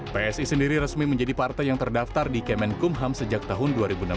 psi sendiri resmi menjadi partai yang terdaftar di kemenkumham sejak tahun dua ribu enam belas